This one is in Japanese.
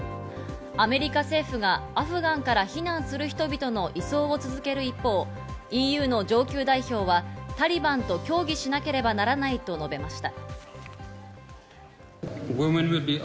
アメリカ政府がアフガンから避難する人々の移送を続ける一方、ＥＵの上級代表は、タリバンと協議しなければならないと述べました。